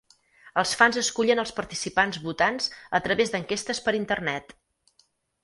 Els fans escullen els participants votant a través d'enquestes per internet.